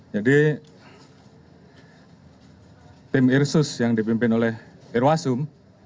jadi tim irsus yang dipimpin oleh irwasum